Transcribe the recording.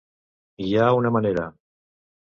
Hi ha una manera.